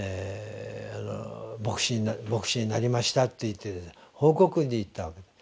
「牧師になりました」と言って報告に行ったわけです。